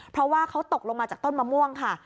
เพราะว่าเขาตกลงมาจากต้นมะม่วงค่ะ